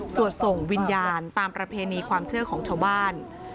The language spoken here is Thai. ส่งวิญญาณตามประเพณีความเชื่อของชาวบ้าน